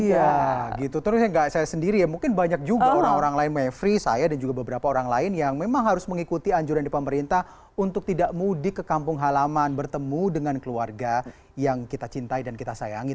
iya gitu terus saya sendiri ya mungkin banyak juga orang orang lain mevri saya dan juga beberapa orang lain yang memang harus mengikuti anjuran di pemerintah untuk tidak mudik ke kampung halaman bertemu dengan keluarga yang kita cintai dan kita sayangi